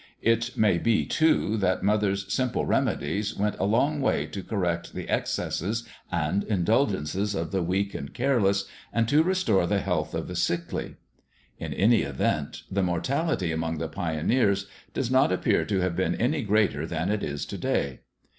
It may be, too, that mother's simple remedies went a long way to correct the excesses and indulgences of the weak and careless and to restore the health of the sickly. In any event the mortality among the pioneers does not appear to have been any greater than it is to day.